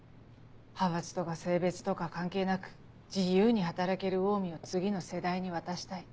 派閥とか性別とか関係なく自由に働けるオウミを次の世代に渡したい。